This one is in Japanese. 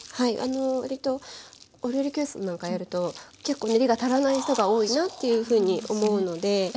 わりとお料理教室なんかやると結構練りが足らない人が多いなっていうふうに思うので。